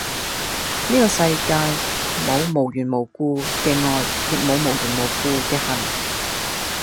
呢個世界冇無緣無故嘅愛，亦都冇無緣無故嘅恨